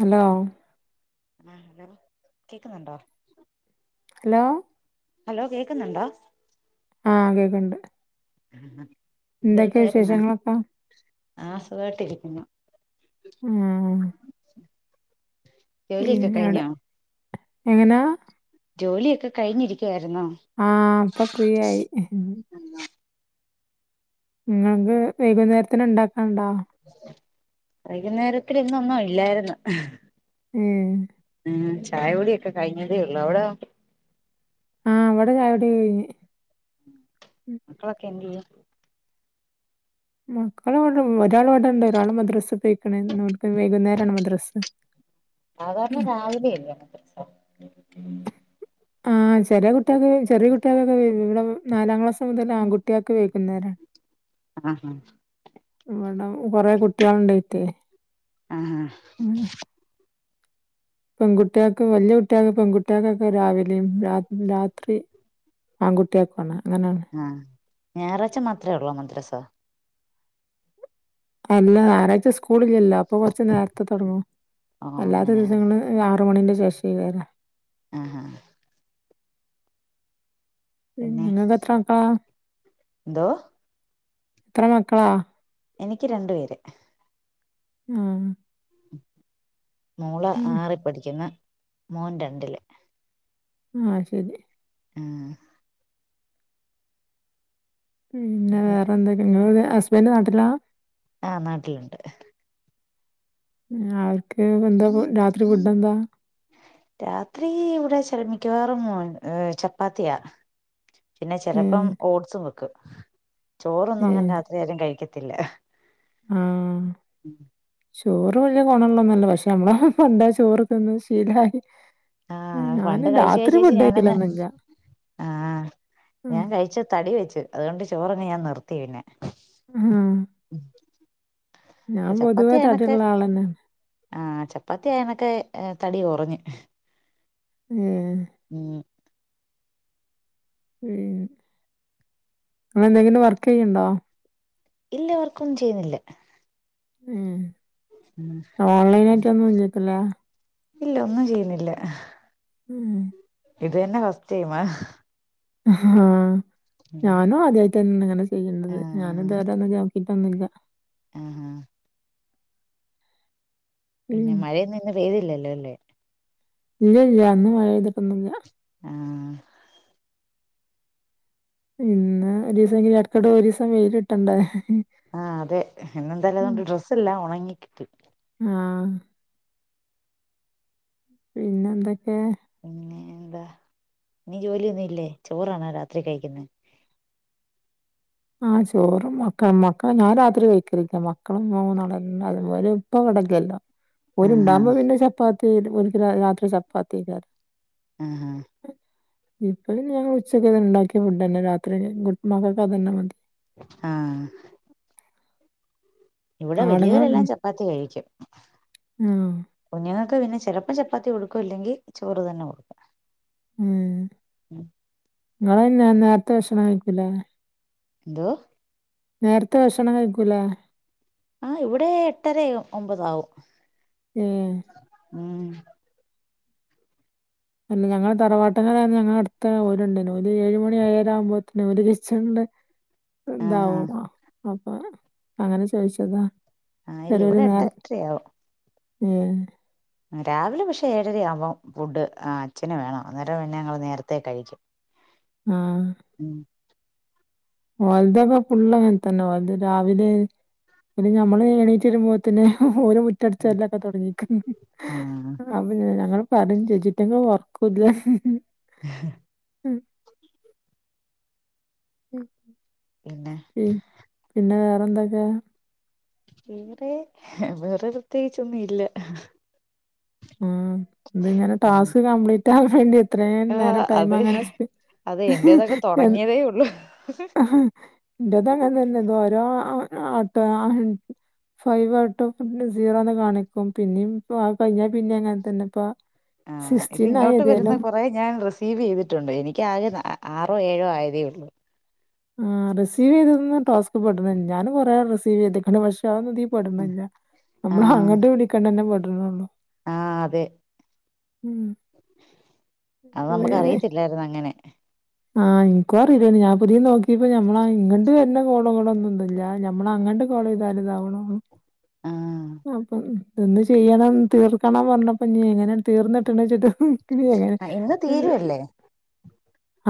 Hello ആ hello കേക്കുന്നുണ്ടോ hello hello കേക്കുന്നുണ്ടോ ആ കേക്ക്ൺണ്ട് പിന്നൊരു കാര്യ ന്നാ വിശേഷങ്ങളൊക്കെ ആ സുഖയിട്ടിരിക്കുന്നു ആഹ് ജോലിയൊക്കെ പിന്നടെ കഴിഞ്ഞോ എങ്ങനാ ജോലിയൊക്കെ കഴിഞ്ഞിരിക്കുവാരുന്നോ ആ പ്പൊ ഫ്രീയായി ങ്ങക്ക് വൈകുന്നേരത്തിന് ണ്ടാക്കാണ്ടോ വൈകുന്നേരത്തിന് ഇന്നൊന്നും ഇല്ലായിരുന്നു ഉം ഉം ചായകുടിയൊക്കെ കഴിഞ്ഞതേ ഒള്ളു അവടോ? ആഹ് ഇവടെ ചായകുടികഴിഞ്. മക്കളൊക്കെ എന്ത്യേ? മക്കളവ്ടെ ഒരാള് ഇവിടേണ്ട് ഒരാൾ മദ്രസ് പോയിക്കണ് ന്ന് ഓൽക്ക് വൈകുന്നേരാണ് മദ്രസ്സ സാധാരണ രാവിലെ അല്ലെ മദറസ? ആഹ് ചെല കുട്ടിയക്ക് ചെറിയ കുട്ടിയാക്കൊക്കെ വ ഇവിടെ നാലാം ക്ലാസ് മുതൽ ആൺകുട്ട്യാക്ക് വൈകുന്നേരാ ആഹ് ആഹ് ഇവിട കൊറേ കുട്ട്യാളിണ്ടായിറ്റേ ആ ഹാ മ്മ് പെൺകുട്ടിയാക്ക് വല്യ കുട്ട്യാക്ക്‌ പെൺകുട്ടിയാക്കൊക്കെ രാവിലേം രാ രാത്രി ആങ്കുട്ടിയക്കുവാണ് അങ്ങനെണ്. ആ ഞായറാഴ്ച്ച മാത്രേ ഓള്ളോ മദ്രസ? അല്ല ഞായറാഴ്ച്ച സ്കൂളില്ലല്ലോ അപ്പൊ കൊറച്ച് നേരത്തെ തൊടങ്ങും ഓ അല്ലാത്ത അങ്ങനെയ ദിവസങ്ങള് ആറ് മണിൻ്റെ ശേഷേക്കാരം ആഹ് ആഹ് പിന്നെ ഇങ്ങക്ക് എത്ര മക്കളാ എന്തോ എത്ര മക്കളാ എനിക്ക് രണ്ടു പേര് ആഹ് മോള് ഉം ആറി പഠിക്കുന്ന് മോൻ രണ്ടില് ആ ശരി ആഹ് ഉം ന്നെ വേറെന്തൊക്കെ ഇങ്ങളെ ഹസ്ബൻഡ് നാട്ടിലാ? ആ നാട്ടിലുണ്ട്. അവർക്ക് എന്താ രാത്രി ഫുഡ് എന്താ? രാത്രി ഇവിടെ. ശര മിക്കവാറും ഏഹ് ചപ്പാത്തിയാ പിന്നെ ഏ ചെലപ്പം ഓട്സും വെക്കും ചോറൊന്നും ഏ അങ്ങനെ രാത്രി ആരും കഴിക്കത്തില്ല. ആഹ് ചോറ് വല്യ കോണള്ളൊന്നുവല്ല പക്ഷെ നമ്മള് പണ്ടേ ചോറ് തിന്ന് ശീലായി ആ ഉം, ഞാന് പണ്ട് കഴിച്ച് രാത്രി കഴിച്ച് കഴിച്ച് ഫുഡ് ഞാനങ്ങ് കഴിക്കലൊന്നുമില്ല ആ ഉം ഞാൻ കഴിച്ച തടി വെച്ചു അതുകൊണ്ട് ചോറങ്ങ് ഞാൻ നിർത്തി പിന്നെ ഉം ഉം ഞാൻ പൊതുവേ തടിള്ള ആളെന്നെ ആ ചപ്പാത്തിയായന്നൊക്കെ തടി കൊറഞ് ഏ ഉം ഉം ങ്ങള് ന്തെങ്കിലും വർക്ക് ചെയ്യണ്ടോ? ഇല്ല വർക്കൊന്നും ചെയ്യുന്നില്ല. ഉം ഓൺലൈൻ ആയിട്ട് ഒന്നും ഇല്ലേക്കുലേ ഇല്ല ഒന്നും ചെയ്യുന്നില്ല. ഉം. ഇത് തന്നെ ഫസ്റ്റ് ടൈമാ. ആഹ് ഞാനും ആദ്യയിട്ട് തന്നെണ് ഇങ്ങനെ ചെയ്യ്ന്നത് ഞാനും ആഹ് ഇതു വരേ ഒന്നും ചെയാ ഇതൊന്നുല്ല ആഹ് അഹ് പിന്നെ ഉം. മഴയൊന്നും ഇന്ന് പെയ്തില്ലല്ലോല്ലേ. ഇല്ല ഇല്ല ഇന്ന് മഴ പെയ്തിട്ട് ഒന്നുല്ല. ആഹ് പിന്നെ ഒരു ദിവസം ഇടയ്ക്കിടെ ഒരു ദിവസം വെയിൽ കിട്ടണ്ടേ. ആഹ് അതെ എന്നന്നെന്തായാലും അതുകൊണ്ട് ഡ്രസ്സ് എല്ലാംഉണങ്ങി കിട്ടി. ആഹ് പിന്നെ എന്തൊക്കെ- പിന്നെ എന്താ ഇനി ജോലിയൊന്നും ഇല്ലേ ചോറാണോ രാത്രി കഴിക്കുന്ന ആഹ് ചോറും മക്ക മക്ക ഞാൻ രാത്രി കഴിക്കലില്ല മക്കളും മൂന്നാളും ന്നെ വല് ഇപ്പ ഇവടെല്ല്യല്ലോ. [inaudible] ഓര് ഉണ്ടാകുമ്പോ പിന്നെ ചപ്പാത്തി ഓർക്ക് രാത്രി ചപ്പാത്തി കറി ആഹ് ആഹ് ഇപ്പഴും ഞാൻ ഉച്ചക്ക് ണ്ടാക്കിയ ഫുഡ്ന്നെ രാത്രി ഗുഡ് മക്കൾക്ക് അതന്നെ മതി. ആഹ് ഇവിടെ ആണുങ്ങൾ വല്യവരെല്ലാം ഉം ചപ്പാത്തി കഴിക്കും. ആഹ് കുഞ്ഞുങ്ങക്ക് പിന്നെ ചിലപ്പോ ചപ്പാത്തി കൊടുക്കും ഇല്ലെങ്കി ചോറ് തന്നെ കൊടുക്കും. ഉം ങ്ങള് അയ്ന് നെനേരത്തെ ഭക്ഷണം കഴിക്കൂലേ? ന്തോ? നേരത്തെ ഭക്ഷണം കഴിക്കൂലേ? ആഹ് ഇവിടെ എട്ടര ഒമ്പത് ആകും. ഏഹ് ഉം. അല്ല ഞങ്ങള് തറവാട്ടിൽ ഞങ്ങളെ അടുത് ഓരുണ്ടനു ഓല് ഏഴ് മണി ഏഴര ആഉമ്പോ നോല്കിച്ചണ്ട് ആഹാ ഇതാവു അപ്പൊ അങ്ങനെ ചോയ്ച്ചതാ ആഹ് ഇല്ല ചെലേരു ഇവിടെ നേര് എട്ടരയാവും ഏഹ് രാവിലെ പക്ഷെ ഏഴര ആവാം ഫുഡ് ആഹ് അച്ഛന് വേണം അന്നേരം ഞങ്ങൾ നേരത്തെ കഴിക്കും. [inaudible] ആഹ് ഉം. ഓൽതകെ ഫുള്ള് അങ്ങൻതന്നെ ഓൽത് രാവിലെ പിന്നെ ഞമ്മള് എണീറ്റ് വരുമ്പോതിന് ഓര് മുറ്റടിചാര്ല്ലൊക്കെ തുടങ്ങിക്കും. ആഹ് അപ്പോ ഞങ്ങൾ പറയും ചേച്ചിക്ക് ഒന്നും ഉറക്കുല്ലേ ഉ [inaudible] ഉം. പിന്നെ ഈ പിന്നെ വേറെന്തൊക്കെ? വേറെ വേറെ പ്രത്യേകിച്ചൊന്നും ഇല്ല. ആഹ് ഇതുങ്ങനെ ഉം ടാസ്ക് കംപ്ലീറ്റ് ആകാൻണ്ടി. ഇത്രേ ആഹ് നേരം ടൈം അത് അങ്ങനെ സ്പ അത് എന്റേതൊക്കെ തൊടങ്ങിയതേ ഉള്ളൂ ന്റെത് അങ്ങനെ തന്നെത് ഓരോ ആ ആട്ട ഫൈവായിട്ടും ഫുള്ള് സീറോന്ന് കാണിക്കും പിന്നിം പ്പ അത് കയിഞ്ഞാ പിന്ന അങ്ങൻത്തന്നെ പ്പൊ ആഹ് ഇതിങ്ങോട്ട് വര്ന്ന കൊറേ ഞാൻ റിസീവ് ചെയ്തിട്ടുണ്ട് എനിക്കാകെ അ ആറോ ഏഴോ ആയതേ ഉള്ളൂ ആഹ് റിസീവ് ചെയ്തതൊന്നും ടാസ്ക് പെട്ണില്ല ഞാന് കൊറേ റിസീവ് ചെയ്ത്ക്ക്ണ് പക്ഷെ അതൊന്നിതീ പെട്ണില്ല ആഹ് നമ്മളങ്ങട്ട് വിളിക്ക്ണന്നെ പെട്ണൊള്ളു ആഹ് അതെ അത് നമ്മക്കറിയായ്റ്റല്ലെ എല്ലാര്ന്നു അങ്ങനെ ആഹ് ഇൻക്കു അറീലേയ്ന് ഞാപ്പെതീ നോക്കേപ്പോ നമ്മളെ ഇങ്ങണ്ട് വര്ന്ന കോളുകളൊന്നുംന്ത്ല്ല നമ്മളങ്ങണ്ട് കോളെയ്താല്താവ്ണൊള്ളു ആഹ് അപ്പം ഇതിന്ന് ചെയ്യണം തീർക്കണം പറഞ്ഞപ്പംഞ്ഞ് എങ്ങനെയാ തീർന്നിട്ട്ണ്ച്ച്ട്ട് ആഹ് ഇന്ന് തീരുവല്ലേ [unintelligible]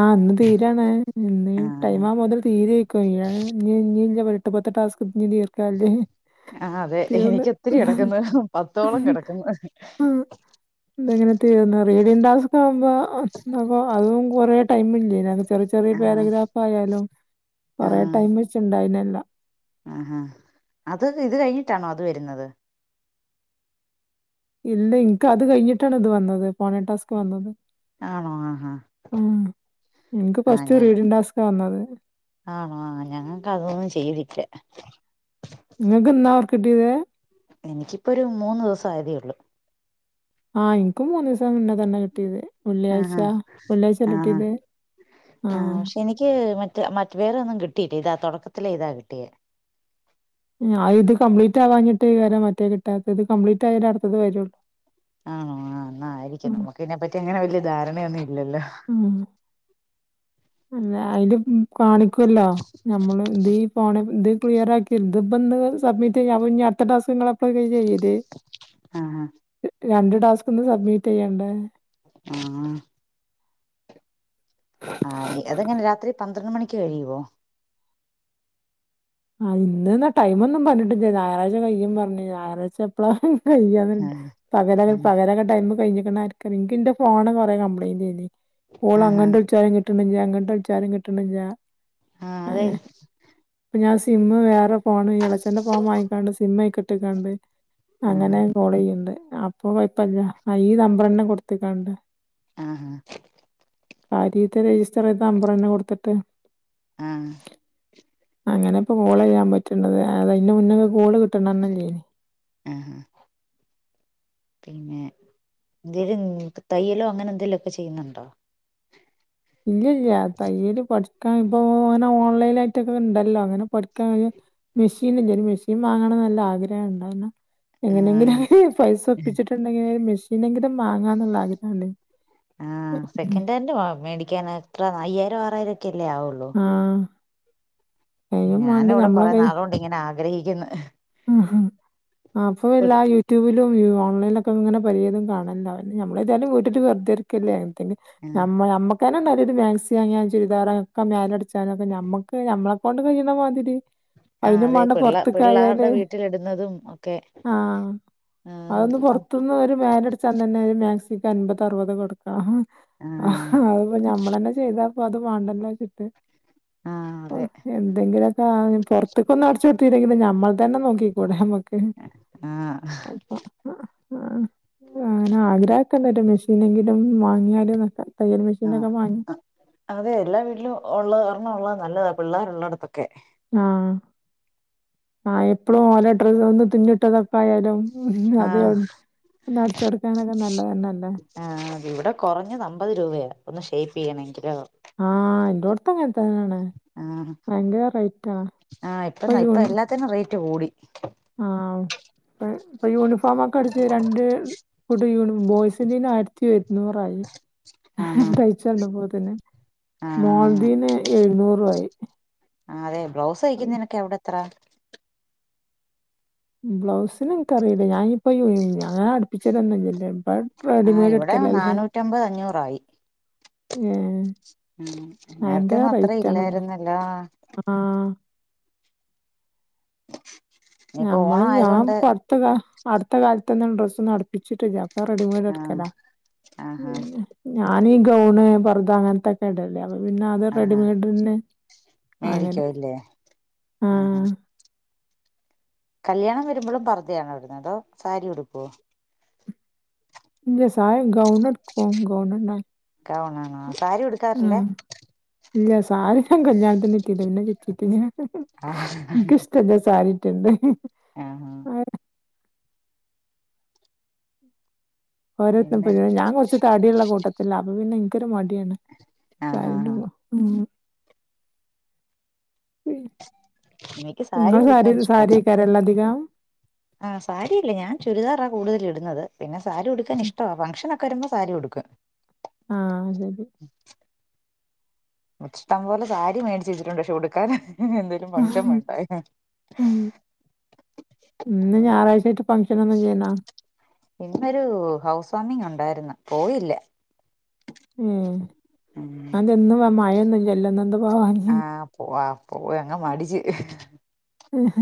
ആഹ് ഇന്ന് തീരാണ് ഇന്ന് ആഹ് ടൈമാവുമ്പോത്തിന് തീര്യ് കയ്യാൻ ഇഞ്ഞ് ഇഞ്ഞീല്ലെ എട്ട് പത്ത് ടാസ്ക് ഇഞ്ഞ് തീർക്കാല്ലേ ആഹ് അതെ തീർന്ന് എനിക്കൊത്തിരി കെടക്ക്ന്നു പത്തോളം കെടക്ക്ന്നു ഉം ഇതെങ്ങനെ തീർന്നാറിയ റീഡിംങ്ങ് ടാസ്ക്കാകുമ്പോ അപ്പൊ അതും കൊറേ ടൈമില്ലേ ഇതിനകത്ത് ചെറിയ ചെറിയേ ആഹ് പേരഗ്രാഫായാലും കൊറെേ ടൈം വെച്ച്ണ്ടായ്നല്ലാം ആഹ് അത് ഇത് കയിഞ്ഞിട്ടാണോ അത് വരുന്നത് ഇല്ല ഇൻക്കത് കയിഞ്ഞിട്ടാണ് ഇത് വന്നത് ഫോണെ ടാസ് ക്ക് വന്നത് ആണോ ആഹാ ഉം ഇൻക്ക് ആഹ് ഫസ്റ്റ് ഞാൻ റീഡിംങ്ങ് ടാസ് ക്ക് വന്നത് ആണോ ആ ഞങ്ങക്കതൊന്നും ചെയ്തില്ല ഇങ്ങക്ക്ന്നാ വർക്ക് കിട്ട്യേത് എനിക്കിപ്പൊരു മൂന്ന് ദിവസം ആയതേള്ളൂ ആഹ് ഇൻകും മൂന്നീസം മുന്നെ തന്നെ കിട്ടീത് ആഹ് ഹാ ആഹ് ഹാ ആ പക്ഷെനി ക്ക് മറ്റേ മറ്റെ വേറൊന്നും കിട്ടിയിട്ടി ഇതാ തുടക്കത്തിലിതാ കിട്ടിയേ ആഹ് ഇത് കംപ്ലീറ്റാവാഞ്ഞിട്ട് കാരം മറ്റേ കിട്ടാത്തത് ഇത് കാപ്ലീറ്റായിട്ട് അട്ത്തത് വരൊള്ളൂ ആണോ ആഹ് എന്നായിരിക്കണം നമുക്കീനെപ്പറ്റി അങ്ങനെ വല്ല്യ ധാരണയൊന്നുല്ലല്ലോ ആഹ് പിന്നെ അയ്ല് കാണിക്കുല്ലോ ഞമ്മള് ഇത് ഫോണ് ഇത് ക്ലിയറാക്കി ഇത്പ്പന്ന് സബ്മിറ്റ് ചെയ്യും അപ്പൊ പിന്നെ അട്ത്ത ടാസ്ക് ഇങ്ങളെപ്പളെയ്ക ചെയ്ത് ആഹ് രണ്ട് ടാസ്ക്ന്ന് സബ്മിറ്റെയ്യണ്ടേ ആഹ് ആഹ് അതെങ്ങനെ രാത്രി പന്ത്രണ്ട് മണിക്ക് കഴിയുവോ ആ ഇന്നന്ന ടൈമൊന്നും പർഞ്ഞിട്ടില്ല ഞായറാഴ്ച കയ്യും പർഞ്ഞ് ഞായറാഴ്ച്ചെ പ്പളാ കയ്യാന്ന് ആഹ് പകലൊക്കെ ആഹ് പകലൊക്കെ ടൈമ് കഴിഞ്ഞ്ക്ക്ണാ ൻക്കറിൻക്കിന്റെ ഫോണ് കൊറേ കംപ്ലയ്ൻ്റേന് ആഹാ കോളങ്ങണ്ട് വിൾച്ചാലും കിട്ട്ണില്ല അങ്ങണ്ട്ൾച്ചാലും കിട്ട്ണില്ല ആഹ് അതെ പ്പൊ ഞാൻ സിമ്മ് വേറെ ഫോണ് എളച്ചന്റെ ഫോൺ വാങ്ങിക്കാണ്ട് സിമ്മയ്ക്ക്ട്ട്ക്കാണ്ട് ആഹാ അങ്ങനെ കോളെയ്യ്ണ്ട് അപ്പൊ കൊയ്പ്പല്ല്യ അ ഈ നമ്പറെന്നെ കൊട്ത്ത്ക്കാണ്ട് ആഹ് ഹാ കാര്യേത്തെ രജിസ്റ്ററെയ്ത നമ്പറെന്നെ കൊട്ത്ത്ട്ട് ആഹ് അങ്ങനേപ്പൊ കോളെയ്യാൻ പറ്റ്ണത് ആ അയ്ൻ്റെ മുന്നൊക്കെ കോള് കിട്ട്ണന്നല്ലേയ്ന് ആഹ് ഹാ പിന്നെ എന്തേലും തയ്യലോ അങ്ങനെന്തേലൊക്കെ ചെയ്യ്ന്ന്ണ്ടോ ഇല്ല്യല്ല്യ തയ്യല് പഠ്ക്കാൻ ഇപ്പൊ അങ്ങനെ ഓൺലൈനായിട്ടൊക്കെ ഇണ്ടല്ലോ അങ്ങനെ പഠ് ക്കാന് മെഷീനില്ല ഒര് മെഷീൻ വാങ്ങണം നല്ലാഗ്രഹണ്ട് അതൊന്ന് എങ്ങനെങ്കിലും ആഹ് പൈസ ഒപ്പിച്ചിട്ടുണ്ടെങ്കിൽ മെഷീനെങ്കിലും വാങ്ങാന്നുള്ള ആഗ്രഹണ്ട് ആ സെക്കൻറ് ഹാൻഡ് മേടിക്കാൻ എത്ര അയ്യായിരം ആറായിരം ഒക്കെ അല്ലേ ആവുള്ളൂ ആഹ് അയ്നും മാണ്ടെ ഞാനിവിടെ ഞമ്മള കൊറെ കൈ നാളുകൊണ്ട് ഇങ്ങനെ ആഗ്രഹിക്ക്ന്നു ഉം ഉം അപ്പൊ എല്ലായ് യൂട്യൂബിലും ഓൺലൈലൊക്കെ ഇങ്ങനെ പലേതും കാണല്ണ്ട് അവ ഞമ്മളേതാലും വീട്ട്ല് വെറ്തെര്ക്കല്ലെ അങ്ങൻത്തന്നെ ആഹ് നമ്മള് നമ്മ ക്കന്നെണ്ടാവൂലെ ഒരു മാക്സ്യാങ്ങി ചുരിദാറ് ഒക്കെ മേലടിച്ചാനൊക്കെ നമ്മക്ക് ഞമ്മളെ കൊണ്ട് കയ്യ്ണ മാതിരി ആ അയ്നും അതെ മാണ്ടെ പിള്ള പാെറ്ത്ത്ക്കായാല് ല് പിള്ളാരുടെ വീട്ടിലിടുന്നതും ഒക്കെ ആഹ് ആ അഒന്ന് പൊർത്ത്ന്ന് ഒര് മേലട് ച്ചാൻതന്നെ ഒരു മാക്സിക്ക് അൻപത് അറ്പത് കൊടുക്കണം ആ അത്പ്പോ ഞമ്മളന്നെ ചെയ്താ പ്പോ അത് മാണ്ടല്ലോച്ചിട്ട് ആ അതെ അഅ് എന്തെങ്കിലെ ആഹ് ന്നിപൊറത്ത്ക്കാെന്നു അട്ച്ച് കൊട്ത്തീല്ലെങ്കിലും നമ്മൾന്നെ നോക്കി- ക്കിക്കൂടെ നമ്മക്ക് ആ അപ്പ ആഹ് അങ്ങനെ ആഗ്രഹൊക്കെണ്ടെരു മെഷീനെങ്കിലും വാങ്ങിയാല് ന്നൊക്കെ തയ്യൽ ആ മെഷീനാെക്കെ വാങ്ങി അതെ എല്ലാ വീട്ടിലും ഒള്ളത് ഒരെണ്ണം ഉള്ളത് നല്ലതാ പിള്ളേരുള്ളടത്തൊക്കെ ആഹ് ആഹ് എപ്പളും ഓല ഡ്രസ് ഒന്ന് തുന്ന്ട്ടതൊക്കെ ആയാലും ഉ ആ അതിക ന്നഅട്ച്ചെട്ക്കാനൊക്കെ നല്ലതന്നെല്ലോം ആഹ് ഇവിടെ കാെറഞ്ഞത് അമ്പത് രൂപയാ ഒന്ന് ഷേയ്പ്പെയ്യിണങ്കിലോ ആഹ് എല്ലോട്ത്തും അങ്ങൻത്തന്നെണ് ആ ഭയങ്കര റെയ്റ്റാ ഇപ്പൊ യൂൺ ത്തന്നെ റെയ്റ്റ് കൂടി ആഹ് ഇപ്പ് ഇപ്പൊ യൂണിഫോമൊക്കെ അടിച്ച് രണ്ട് കുട്ടം യൂണി ബോയ്സിന്റീന് ആയിരത്തി ത്തി ഒരുന്നൂറായി ആ തയ്ച്ചന്നപ്പോത്ത്ന് ആ മോൾതീന് എഴുന്നും ആയി ആതെ ബ്ലൗസ് തഴ്ക്കുന്നെനാെക്കെ അവ്ടെ എത്രാ ബ്ലൗസിന് ഇൻക്കറീല്ല ഞാനിഇപ്പ ഈ പിന്നങ്ങനെ അട്പ്പിച്ചലൊന്നുല്ലല്ലോ ആഹ് ഇവടെ നാന്നൂറ്റമ്പത് അഞ്ഞൂറായി ഏഹ് ഉം ഭയങ്കര നേരത്തെന്നും അത്ര റേറ്റാണ്. ഇല്ലായിരുന്നല്ലോ ആഹ് ഇനിയിപ്പോ ഞമ്മള് ഓണം ഞാം ആയതൊണ്ട് ഇപ്പ അടുത്തകാ അട്ത്ത കാലത്താെന്നും ഡ്രസാെന്നും അട്പ്പിച്ചിട്ടില്ല ക്കെ റെഡിമേഡ് ആ ഇട്ക്കലാ ആഹാ ഞാന് ഈ ഗൗണ് പർദാ അങ്ങനത്താെക്ക് ക്കെ ഇടല് അപ്പൊ പിന്നെ അത് ആഹാ റെഡിമെയ്ഡ്ന്നെ മേടിക്കോ വാങ്ങല് ഇല്ലേ ആഹ് ആഹ് കല്യാണം വരുമ്പളും പർദ്ധയാണോ ഇട്ന്നത് സാരി ഉടുക്കാേ ല്ല സാര ഗൗണ് ട്ക്കും ഗൗണന്നെ ഗൗണാണോ സാരി ഉടുക്കാറില്ല ഇല്ല സാരി ഞാൻ കല്യാണത്തിന് ചുറ്റ്യാതാ പിന്നെ ചുറ്റീട്ടില്ല ആഹ് ഇൻകിഷ്ട്ടല്ല സാരി ഉറ്റ്ന്ന്ത് ആഹ് ആ ഓരോരുത്തർ പിന്നെ [unintelligible] ഞാൻ കാെറച്ച് തടിള്ള കൂട്ടത്തിലാ അപ്പൊ പിന്നെ ഇൻക്കൊരു മടിയാണ് ആഹ് ആഹ് സാരിറ്റുമ്പോ ഉം [inaudible] എനിക്ക് ഇങ്ങള് സാരി ഉടുക്കാൻ ഇഷ്ടവാ സാര്യെക്കാരല്ലേ അധികം ആഹ് സാരിയല്ല ഞാൻ ചുരിദാറാ കൂടുതല് ഇട്ന്നത് പിന്നെ സാരി ഉടുക്കാൻ ഇഷ്ടവാ ഫംഗ്ഷനൊക്ക് ക്കെ വരുമ്പം സാരി ഉടുക്കും ആഹ് അഅ്സരി ഇഷ്ടം പോലെ സാരി മേടിച്ച് വെച്ചിട്ടുണ്ട് പക്ഷെ ഉടുക്കാൻ എന്ത് ന് ഫംഗഷൻവേണ്ടേ അയിന് ഉം ഇന്ന് ഞായറാഴ്ച ആയിട്ട് ഫങ്ഷൻ ഒന്നും ഇല്ലല്ലോ ഇന്നൊരു ഹൗസ് വാമിങ് ഉണ്ടായിരുന്നു പോയില്ല ഏഹ് ഉം ആന്തെ ഇന്ന് മ മഴയൊന്നുല്ലല്ലോ ഇഎന്താ പോവാഞ്ഞെ പോവാ പോവെഅങ്ങ് മടിച്ച് ആഹ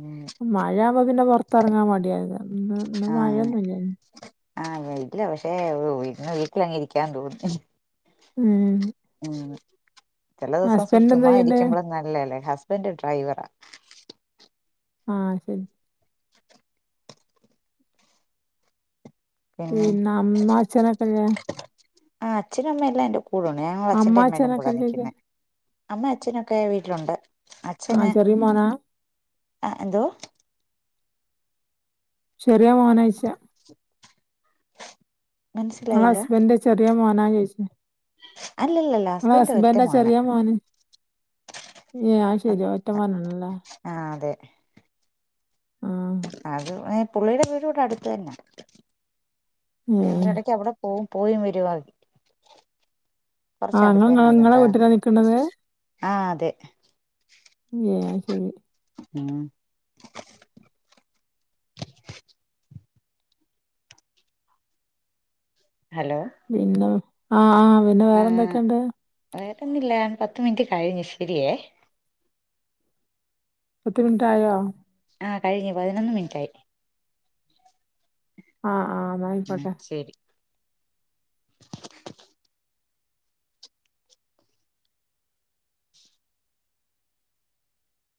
ഉം മഴ ആവുമ്പോ പിന്നെ പൊറത്തറങ്ങാൻ മട്യായ്ക്കാരം ഇന്ന് ആഹ് മഴയൊന്നുംല്ലല്ല് ആഹ് വിട്ടില്ല പക്ഷെ ഇന്ന് വീട്ടിലങ്ങ് ഇരിക്കാൻ തോന്നി ഉം ഉം ചില ദിവസം സൂക്ഷ ഹസ്ബൻഡ് എന്താ ചുമ്മ ചെയ്യണ്ടേ ഇരിക്കുമ്പോളും നല്ലത്അല്ലേ ഹുസ്ബൻഡ് ഡ്രൈവറാ ആഹ് ശരി പിന്നെ പിന്ന അമ്മ ആഛനക്കല്യാ ആഹ്ച്ഛനും അമ്മയല്ല എ്ന്റെ കൂടെ ഉണ്ട് ഞന് ഞങ്ങടാ അച്ഛന്റെ അമ്മേയുടെ കൂടാ അമ്മാച്ചനൊക്കെല്ലേ നിൽന്നുന്നത് അമ്മ അച്ഛനൊക്കെ വീട്ടിലുണ്ട് അച്ഛന് ആഹ് ചെറിയ മോനാ ആഹ് എന്തോ ചെറിയ മോനാഴ്ച്ച ഞളെ മനസ്സിലായില്ല ഹസ്ബൻന്റെ ചെറിയ മോനാ ചോയിച്ചത് അല്ലല്ലല്ല നിങ്ങളാ ഹസ്ബൻഡ് ഒറ്റ ഹസ്ബന്റെ മോനാ ചെറിയ മോന് ആഹ് ശരിയാ ഒറ്റ മോൻ ആണല്ല ആഹ് അതെ ആഹ് അത് പുള്ളിയുടെ വീട് ഇവിടെ അടുത്ത് തന്നെയ ഏ ഞങ്ങൾ ഇടക്ക് ആവിടെ ഓ പോയിയും വരുവാ ആ കുറച്ചടുത്ത് ഇങ്ങള് തന്നെ ആതൊണ്ട ഇങ്ങളെ വീട്ടിലാ നിക്ക്ണത് ആഹ് അതെ ആഹ് ശരി ഉം ഹലോ പിന്നെ ആഹ് ആഹ് പിന്നെ വേറെ എന്തൊക്കെയുണ്ട് വേറെന്നില്ല പത്ത് മിനിറ്റ് കഴിഞ്ഞു ശരിയേ പത്ത് മിനിറ്റ് ആയോ ആഹ് കഴിഞ്ഞ് പതിനൊന്ന് മിനിറ്റായി ആഹ് ആഹ് ഉം ആയിക്കോട്ടെ ശരി